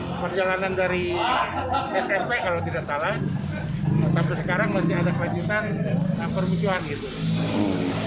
terus perjalanan dari smp kalau tidak salah sampai sekarang masih ada kelanjutan permusuhan gitu